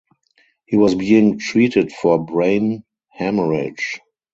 He was being treated for brain haemorrhage.